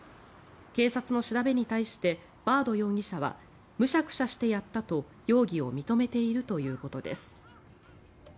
警察の調べに対してバード容疑者はむしゃくしゃしてやったと容疑を認めているということです。